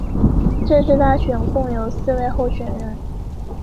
这次大选共有四位候选人。